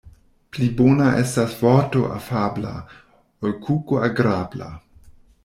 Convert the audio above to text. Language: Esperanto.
Pli bona estas vorto afabla, ol kuko agrabla.